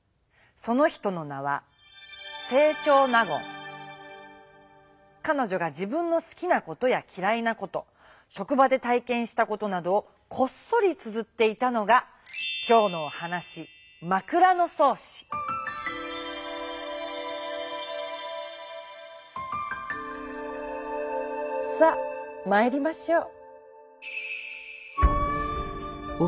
その人の名はかのじょが自分のすきなことやきらいなことしょく場で体けんしたことなどをこっそりつづっていたのがきょうのおはなしさっまいりましょう。